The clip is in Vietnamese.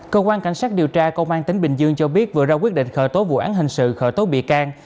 cơ quan cảnh sát điều tra công an tỉnh bình dương cho biết vừa ra quyết định khởi tố vụ án hình sự khởi tố bị can